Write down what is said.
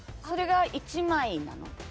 それが１枚なの？